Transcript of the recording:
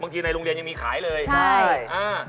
บางทีในโรงเรียนยังมีขายเลยใช่